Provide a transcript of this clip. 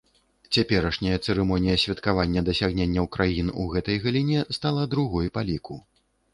Цяперашняя цырымонія святкавання дасягненняў краін у гэтай галіне стала другой па ліку.